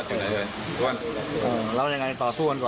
ครับ